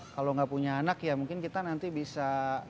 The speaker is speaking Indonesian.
kalau nggak punya anak ya mungkin kita nanti bisa